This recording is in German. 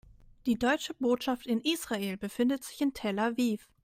Die Deutsche Botschaft in Israel befindet sich in Tel Aviv.